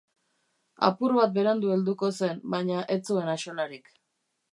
Apur bat berandu helduko zen, baina ez zuen axolarik.